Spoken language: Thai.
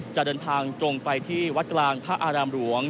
จะเดินทางตรงไปที่วัดกลางพระอารามหลวง